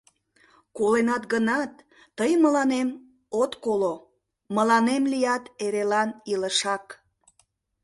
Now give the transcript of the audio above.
Коленат гынат, тый мыланем от коло Мыланем лият эрелан илышак.